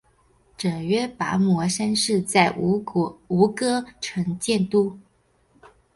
阇耶跋摩三世在吴哥城建都。